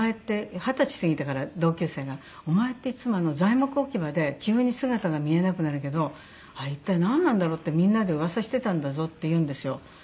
二十歳過ぎてから同級生が「お前っていつも材木置き場で急に姿が見えなくなるけどあれ一体なんなんだろう？ってみんなで噂してたんだぞ」って言うんですよ。